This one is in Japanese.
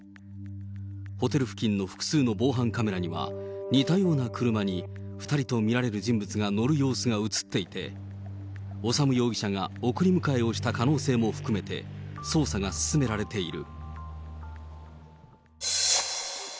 ホテル付近の複数の防犯カメラには、似たような車に２人と見られる人物が乗る様子が写っていて、修容疑者が送り迎えをした可能性も含めて、捜査が進められている。